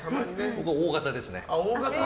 僕はＯ型ですね。